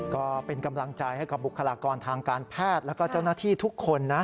ก็เป็นกำลังใจให้กับบุคลากรทางการแพทย์แล้วก็เจ้าหน้าที่ทุกคนนะ